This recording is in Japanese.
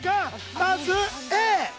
まずＡ！